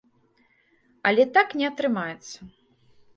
Але так не атрымаецца.